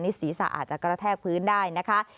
นิษฐีศาอาจจะกระแทกพื้นได้นะคะ